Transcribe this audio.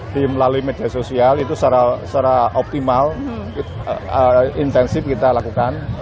di melalui media sosial itu secara optimal intensif kita lakukan